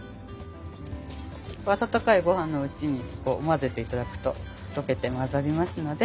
温かいごはんのうちに混ぜて頂くと溶けて混ざりますので。